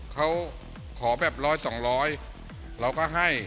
เขาขอแบบร้อยสองร้อยเราก็ให้